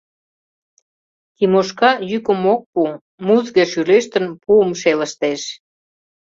Тимошка йӱкым ок пу, музге шӱлештын, пуым шелыштеш.